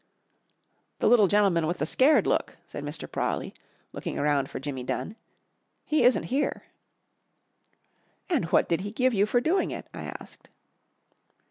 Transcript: "The little gentleman with the scared look," said Mr. Prawley, looking around for Jimmy Dunn. "He isn't here." "And what did he give you for doing it?" I asked.